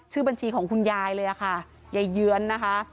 ชื่อบัญชีของคุณยายเลยค่ะยายเยื้อนนะคะ